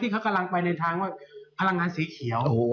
เขากำลังไปในทางว่าพลังงานสีเขียว